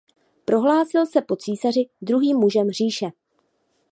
Prohlásil se po císaři druhým mužem říše.